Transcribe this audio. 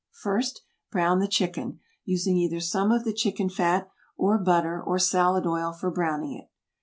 First brown the chicken, using either some of the chicken fat, or butter, or salad oil for browning it.